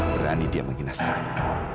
berani dia menghina saya